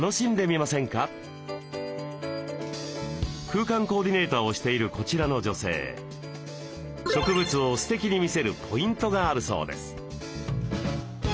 空間コーディネーターをしているこちらの女性植物をステキに見せるポイントがあるそうです。